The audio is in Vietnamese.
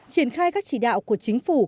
triển khai các chỉ đạo của chính phủ